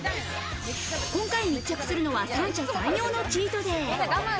今回密着するのは三者三様のチートデイ。